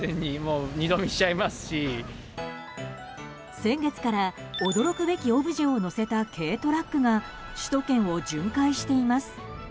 先月から驚くべきオブジェを載せた軽トラックが首都圏を巡回しています。